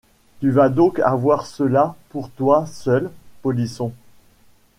Tu vas donc avoir cela pour toi seul, polisson!